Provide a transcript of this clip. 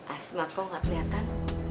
asma kok gak kelihatan